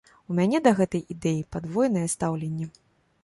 У мяне да гэтай ідэі падвойнае стаўленне.